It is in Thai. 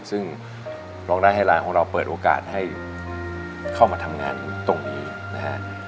ซึ่งร้องได้ให้ร้านของเราเปิดโอกาสให้เข้ามาทำงานตรงนี้นะฮะ